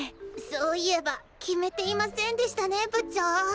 そういえば決めていませんでしたね部長。